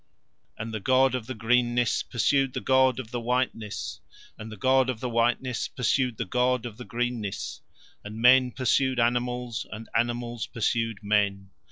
And the god of the greenness pursued the god of the whiteness, and the god of the whiteness pursued the god of the greenness, and men pursued animals, and animals pursued men.